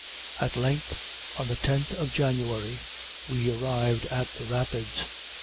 At length, on the 10th of January, we arrived at the Rapids.